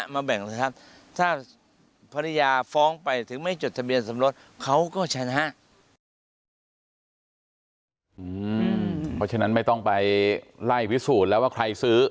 มาแบ่งเลยครับถ้าภรรยาฟ้องไปถึงไม่จดทะเบียนสมรสเขาก็ชนะ